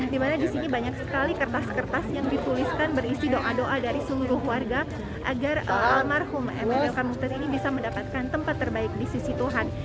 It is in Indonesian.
dimana disini banyak sekali kertas kertas yang dituliskan berisi doa doa dari seluruh warga agar almarhum emeril kan muter ini bisa mendapatkan tempat terbaik di sisi tuhan